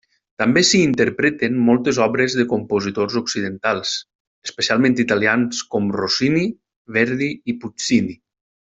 També s'hi interpreten moltes obres de compositors occidentals, especialment italians com Rossini, Verdi i Puccini.